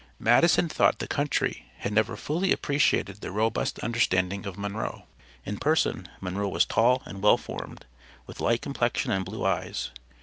Madison thought the country had never fully appreciated the robust understanding of Monroe. In person, Monroe was tall and well formed, with light complexion and blue eyes.